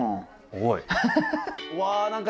おい。